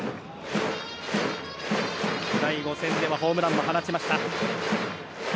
第５戦ではホームランも放ちました。